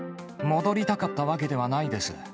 戻りたかったわけではないです。